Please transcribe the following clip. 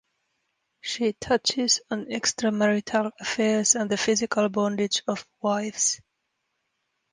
She touches on extramarital affairs and the physical bondage of wives'.